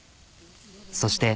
そして。